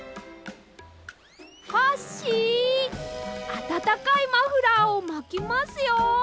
あたたかいマフラーをまきますよ。